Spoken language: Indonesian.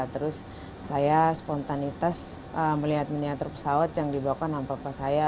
terus saya spontanitas melihat miniatur pesawat yang dibawa ke nampak pas saya